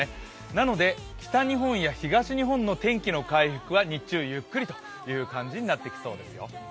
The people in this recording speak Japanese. なので北日本や東日本の天気の回復は日中ゆっくりという感じになってきそうですよ。